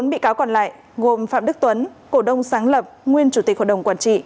bốn bị cáo còn lại gồm phạm đức tuấn cổ đông sáng lập nguyên chủ tịch hội đồng quản trị